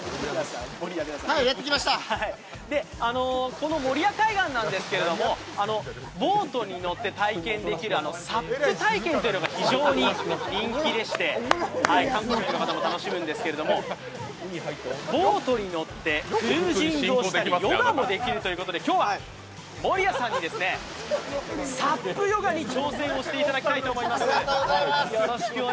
この守谷海岸なんですけど、ボートに乗って体験できるＳＵＰ体験というのが非常に人気でして観光客の方も楽しめるんですけどボートに乗ってクルージングをしたりヨガもできるということで、今日は守谷さんにＳＵＰヨガに挑戦していただきたいと思っています。